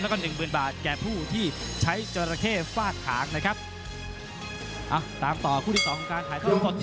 แล้วก็หนึ่งหมื่นบาทแก่ผู้ที่ใช้จรรยาเข้ฟาดหางนะครับอ่ะตามต่อคู่ที่สองของการขายทอด